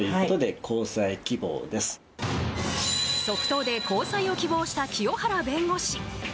即答で交際を希望した清原弁護士。